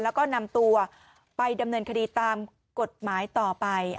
แล้วก็นำตัวไปดำเนินคดีตามกฎหมายต่อไป